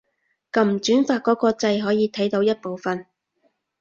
撳轉發嗰個掣可以睇到一部分